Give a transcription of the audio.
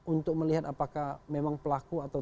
untuk melihat apakah memang pelaku atau